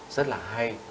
rất là hay